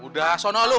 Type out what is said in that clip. udah asal lu